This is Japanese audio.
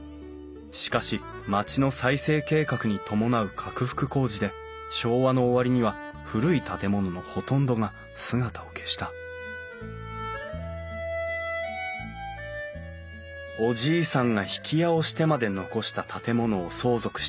しかし町の再生計画に伴う拡幅工事で昭和の終わりには古い建物のほとんどが姿を消したおじいさんが曳家をしてまで残した建物を相続した後藤さん。